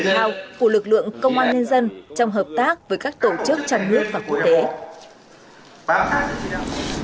lao của lực lượng công an nhân dân trong hợp tác với các tổ chức trong nước và quốc tế